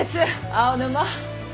青沼！